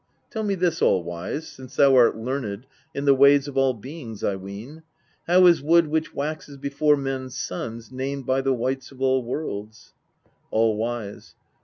15. Tell me this, All wise, since thou art learned in the ways of all beings, I ween : how is Sol which the sons of men behold named by the wights of all worlds ? All wise.